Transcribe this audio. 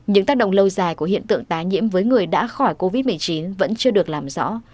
những tác động lâu dài của hiện tượng tái nhiễm với người đã khỏi covid một mươi chín vẫn chưa được làm rõ